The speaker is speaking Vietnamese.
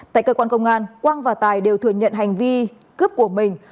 tại cơ quan công an quang và tài đều thừa nhận hành vi cướp của mình